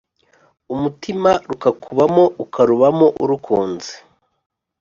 Umutima rukakubamo ukarubamo urukunze